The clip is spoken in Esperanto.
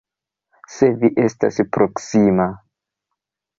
Se vi estas proksima.